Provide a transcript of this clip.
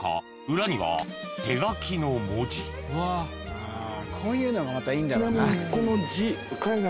裏にはこういうのがまたいいんだろうな。